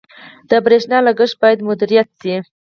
• د برېښنا لګښت باید مدیریت شي.